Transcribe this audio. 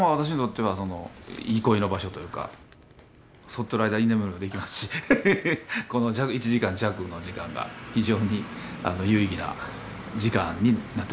剃っている間居眠りもできますしこの１時間弱の時間が非常に有意義な時間になってますね。